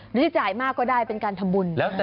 หรือจะจ่ายมากก็ได้เป็นการทำบุญ